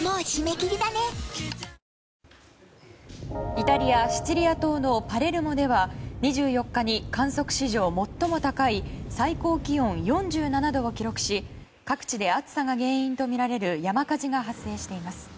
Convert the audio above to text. イタリア・シチリア島のパレルモでは２４日に観測史上最も高い最高気温４７度を記録し各地で暑さが原因とみられる山火事が発生しています。